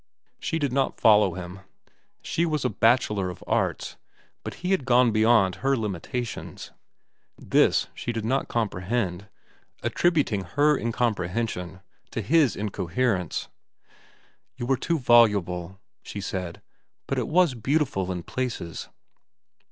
She did not follow him. She was a bachelor of arts, but he had gone beyond her limitations. This she did not comprehend, attributing her incomprehension to his incoherence. "You were too voluble," she said. "But it was beautiful, in places."